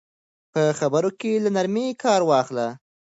په خبرو کې له نرمۍ کار واخلئ.